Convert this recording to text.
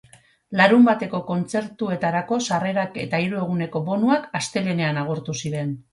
Larunbateko kontzertuetarako sarrerak eta hiru eguneko bonuak astelehenean agortu ziren.